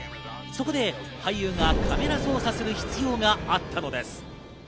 そこで俳優がカメラ操作する必要があったのです。